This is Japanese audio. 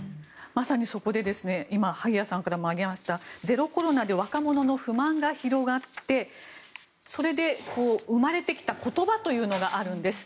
まさにそこで今、萩谷さんからもありましたゼロコロナで若者の不満が広がってそれで生まれてきた言葉というのがあるんです。